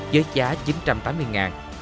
với giá chín trăm tám mươi ngàn